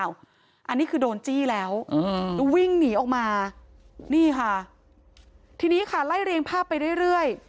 อันนี้คือโดนจี้แล้วแล้ววิ่งหนีออกมานี่ค่ะทีนี้ค่ะไล่เรียงภาพไปเรื่อย